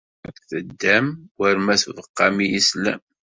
Teddam war ma tbeqqam-iyi sslam.